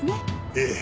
ええ。